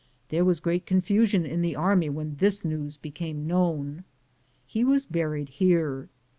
There was great confusion in the army when this news became known. He was buried here.